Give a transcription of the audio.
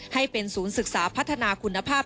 ให้เป็นศูนย์ศึกษาพัฒนาคุณภาพ